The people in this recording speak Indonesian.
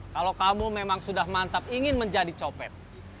kalau kamu memang sudah mantap ingin menjadi copet